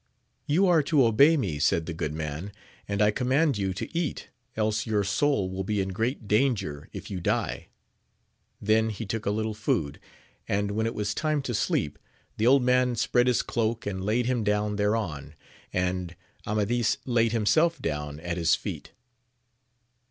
You are to obey me, said the good man, and I command you to eat, else your soul will be in great danger if you die. Then he took a little food ; and when it was time to sleep, the old man spread his cloak and laid him down thereon, and Amadis laid himself down at his feet.